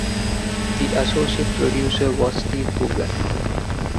The associate producer was Steve Coogan.